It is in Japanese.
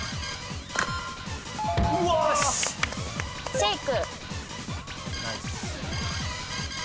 シェイク。